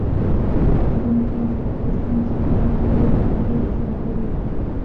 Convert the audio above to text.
کلونه کېږي چې د فلسطین مسلمانان په ډېره تنګۍ کې ژوند تېروي.